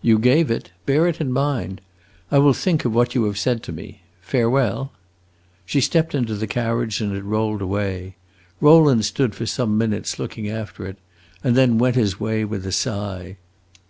"You gave it. Bear it in mind. I will think of what you have said to me. Farewell." She stepped into the carriage, and it rolled away. Rowland stood for some minutes, looking after it, and then went his way with a sigh.